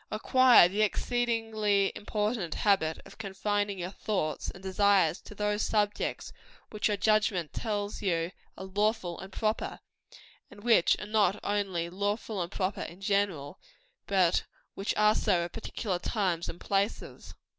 Acquire the exceedingly important habit of confining your thoughts and desires to those subjects which your judgment tells you are lawful and proper and which are not only lawful and proper in general, but which are so at particular times and places.